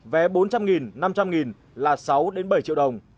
vé bốn trăm linh năm trăm linh là sáu bảy triệu đồng